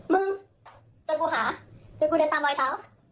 มึงเจอกูหาเจอกูเดินตามรอยเท้า